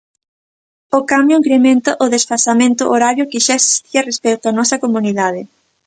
O cambio incrementa o desfasamento horario que xa existía respecto á nosa comunidade.